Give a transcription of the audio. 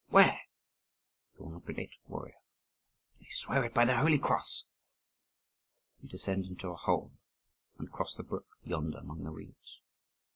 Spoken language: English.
"Where?" "You will not betray it, warrior?" "I swear it by the holy cross!" "You descend into a hole, and cross the brook, yonder among the reeds."